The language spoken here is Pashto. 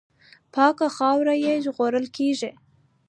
پاکه خاوره یې ژغورل کېږي.